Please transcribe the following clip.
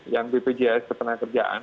yang bpjs ketenangan kerjaan